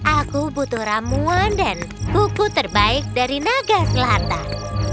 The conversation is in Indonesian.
aku butuh ramuan dan buku terbaik dari naga selatan